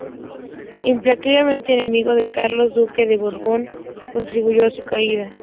Implacable enemigo de Carlos, Duque de Borbón, contribuyó a su caída.